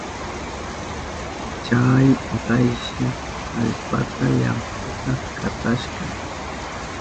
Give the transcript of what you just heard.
Chay untayshi allpata llamputa katashka.